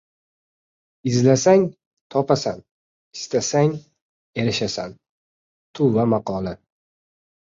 Izlasang — topasan, istasang — erishasan. Tuva maqoli